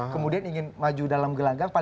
kemudian ingin maju dalam gelanggang